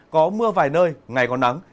có mưa vài nơi ngày có nắng